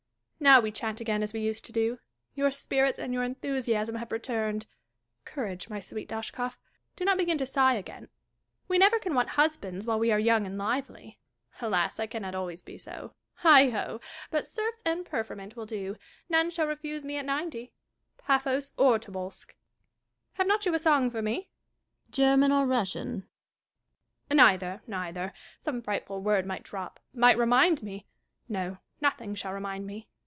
Now we chat again as we used to do. Your spirits and your enthusiasm have returned. Courage, my sweet Dashkof ; do not Vjegin to sigh again. We never can want husbands while we are young and lively. Alas ! I cannot always be so. Heigho ! But serfs and preferment will do: none shall refuse me at ninety, — Paphos or Tobolsk. Have not you a song for me 1 Dashkof. German or Russian ? Catharine. Neither, neither. Some frightful word might drop — might remind me — no, nothing shall remind me.